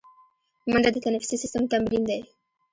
منډه د تنفسي سیستم تمرین دی